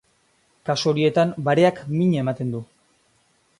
Kasu horietan, bareak min ematen du.